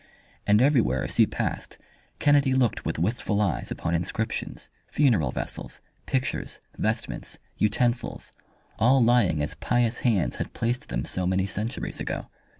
And everywhere as he passed Kennedy looked with wistful eyes upon inscriptions, funeral vessels, pictures, vestments, utensils, all lying as pious hands had placed them so many centuries ago.